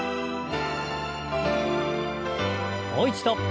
もう一度。